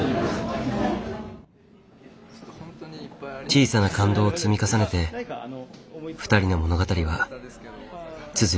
小さな感動を積み重ねて２人の物語は続いていく。